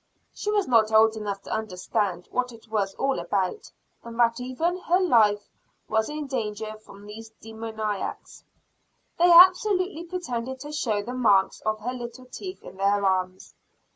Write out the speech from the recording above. She was not old enough to understand what it was all about, and that even her life was in danger from these demoniacs. They absolutely pretended to show the marks of her little teeth in their arms.